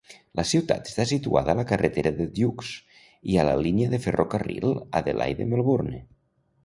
La ciutat està situada a la carretera de Dukes i a la línia de ferrocarril Adelaide-Melbourne.